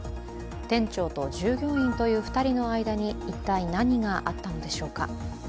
店長と従業員という２人の間に一体何があったのでしょうか。